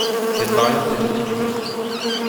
Cette variante est optimisée.